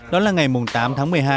đó là ngày tám tháng một mươi hai